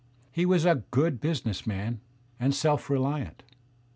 He was a good b usiness man and self reliant.